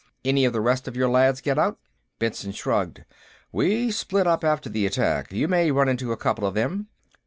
"Any of the rest of you lads get out?" Benson shrugged. "We split up after the attack. You may run into a couple of them.